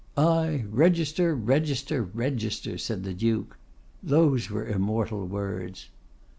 'Ay! register, register, register!' said the Duke. 'Those were immortal words.